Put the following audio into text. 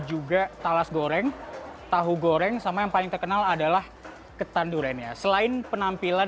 juga talas goreng tahu goreng sama yang paling terkenal adalah ketan duriannya selain penampilan